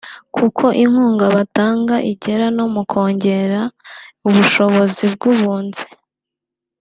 kuko inkunga batanga igera no mukongera ubushobozi bw’abunzi